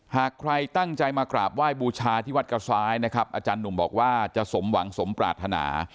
หากใครตั้งใจมากราบไหว้บูชาที่วัดกระซ้ายนะครับอาจารย์หนุ่มบอกว่าจะสมหวังสมปรารถนา